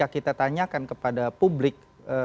kita tanyakan kepada publik